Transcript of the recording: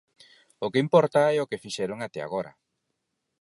O que importa é o que fixeron até agora.